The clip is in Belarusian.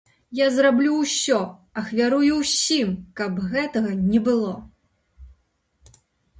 Я зраблю ўсё, ахвярую ўсім, каб гэтага не было.